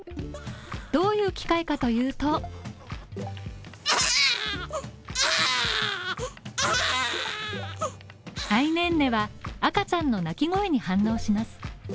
どういう機械かというとａｉｎｅｎｎｅは、赤ちゃんの泣き声に反応します。